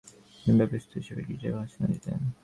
তিনি ব্যাপ্টিস্ট হিসেবে গির্জায় ভাষণও দিতেন।